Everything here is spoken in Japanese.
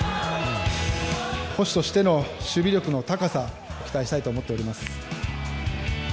捕手としての守備力の高さ期待したいと思っております。